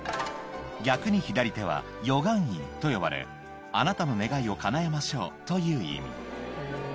逆に左手は与願印と呼ばれ、あなたの願いをかなえましょうという意味。